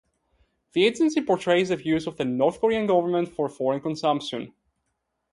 The agency portrays the views of the North Korean government for foreign consumption.